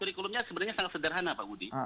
kurikulumnya sebenarnya sangat sederhana pak budi